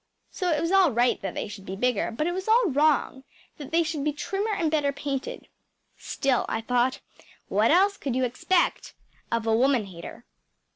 So it was all right that they should be bigger; but it was all wrong that they should be trimmer and better painted. Still, thought I, what else could you expect of a woman hater?